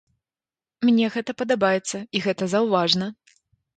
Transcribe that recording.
Мне гэта падабаецца і гэта заўважна!